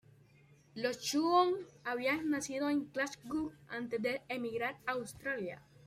Los Young habían nacido en Glasgow antes de emigrar a Australia.